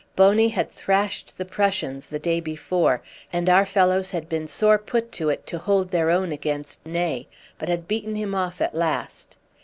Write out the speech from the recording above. Boney had thrashed the Prussians the day before, and our fellows had been sore put to it to hold their own against Ney, but had beaten him off at last.